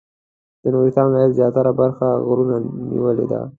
د نورستان ولایت زیاتره برخه غرونو نیولې ده.